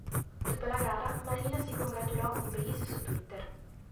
Dopo la gara, Marino si congratulò con Brees su Twitter.